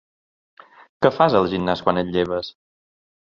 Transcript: Què fas al gimnàs quan et lleves?